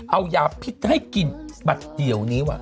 เอายาพิษให้กินบัตรเดียวนี้ว่ะ